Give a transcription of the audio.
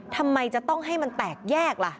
ทำไมจะต้องให้มันแตกแยกล่ะ